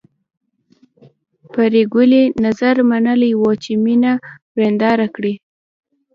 پري ګلې نذر منلی و چې مینه ورېنداره کړي